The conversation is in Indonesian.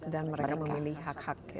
dan mereka memilih hak hak